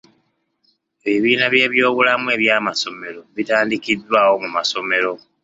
Ebibiina by'ebyobulamu eby'amasomero bitandikiddwawo mu masomero.